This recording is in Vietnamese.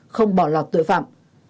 không bỏ lọt tội phạm